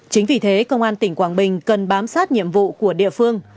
chính vì thế công an tỉnh quảng bình cần bám sát nhiệm vụ của địa phương